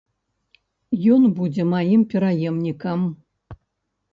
Ён будзе маім пераемнікам.